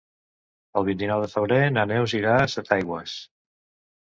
El vint-i-nou de febrer na Neus irà a Setaigües.